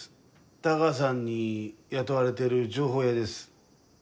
田川さんに雇われてる情報屋です。